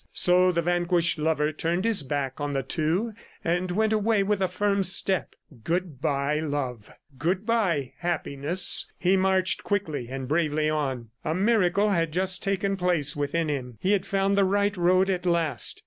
So the vanquished lover turned his back on the two and went away with a firm step. Good bye, Love! Goodbye, Happiness! ... He marched quickly and bravely on; a miracle had just taken place within him! he had found the right road at last!